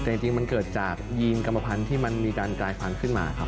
แต่จริงมันเกิดจากยีนกรรมพันธุ์ที่มันมีการกลายพันธุ์ขึ้นมาครับ